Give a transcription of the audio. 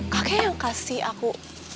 kakek yang kasih aku